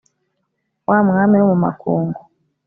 wa mwami wo mu makungu